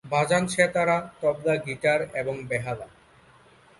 বাজান সেতার, তবলা, গিটার এবং বেহালা।